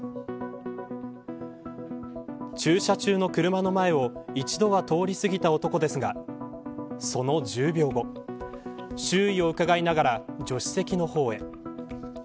駐車中の車の前を一度は通り過ぎた男ですがその１０秒後周囲をうかがいながら助手席の方へ。